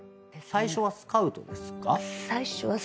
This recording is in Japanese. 最初はスカウトです。